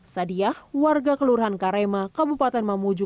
sadiah warga kelurahan karema kabupaten mamuju